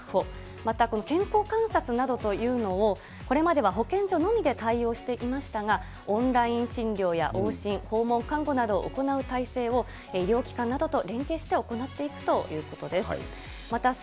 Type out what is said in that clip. またこの健康観察などというのを、これまでは保健所のみで対応していましたが、オンライン診療や往診、訪問看護などを行う体制を、医療機関などと連携して行っていくということです。